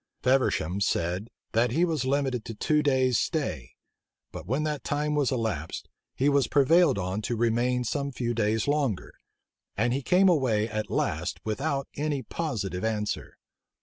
Feversham said, that he was limited to two days' stay: but when that time was elapsed, he was prevailed on to remain some few days longer; and he came away at last without any positive answer.